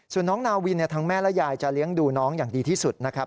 ส่วนน้องนาวินทั้งแม่และยายจะเลี้ยงดูน้องอย่างดีที่สุดนะครับ